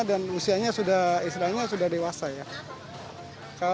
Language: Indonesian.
dan usianya sudah dewasa ya